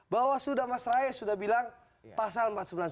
bawastu damas raya sudah bilang pasal empat ratus sembilan puluh satu